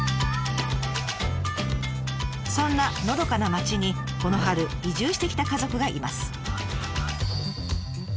そんなのどかな町にこの春移住してきた家族がいます。